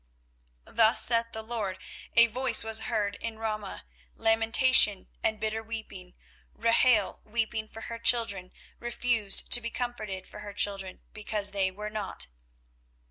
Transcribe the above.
24:031:015 Thus saith the LORD; A voice was heard in Ramah, lamentation, and bitter weeping; Rahel weeping for her children refused to be comforted for her children, because they were not.